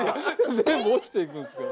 全部落ちていくんすけど。